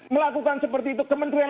melakukan seperti itu kementerian